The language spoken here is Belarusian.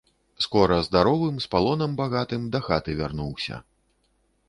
Скора здаровым з палонам багатым дахаты вярнуўся!